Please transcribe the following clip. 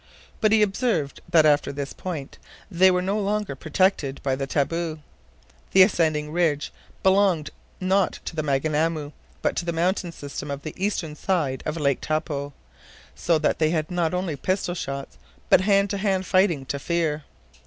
But he observed that after this point, they were no longer protected by the taboo. The ascending ridge belonged not to Maunganamu, but to the mountain system of the eastern side of Lake Taupo, so that they had not only pistol shots, but hand to hand fighting to fear.